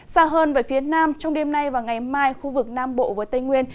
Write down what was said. xa hơn về phía nam trong đêm nay và ngày mai khu vực nam bộ và tây nguyên